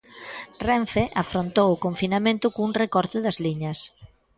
Renfe afrontou o confinamento cun recorte das liñas.